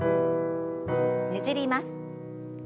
ねじります。